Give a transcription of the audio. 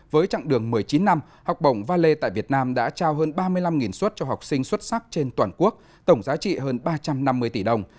với chặng đường một mươi chín năm học bổng valet tại việt nam đã trao hơn ba mươi năm xuất cho học sinh xuất sắc trên toàn quốc tổng giá trị hơn ba trăm năm mươi tỷ đồng